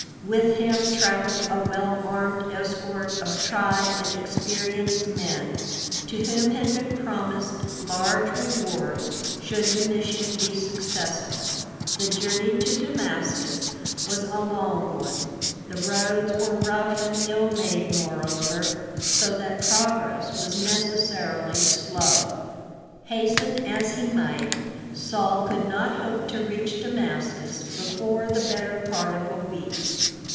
With him traveled a well armed escort of tried and experienced men, to whom had been promised large rewards should the mission be successful. The journey to Damascus was a long one, the roads were rough and ill made moreover, so that progress was necessarily slow. Hasten as he might, Saul could not hope to reach Damascus before the better part of a week.